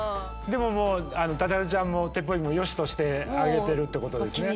でもダテハゼちゃんもテッポウエビもよしとしてあげてるってことですね。